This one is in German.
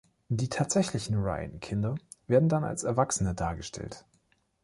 Die tatsächlichen Ryan-Kinder werden dann als Erwachsene dargestellt.